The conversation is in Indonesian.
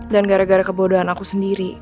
dan gara gara kebodohan aku sendiri